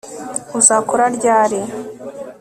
Uzakora ryari